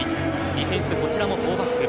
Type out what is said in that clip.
ディフェンス、こちらも４バック。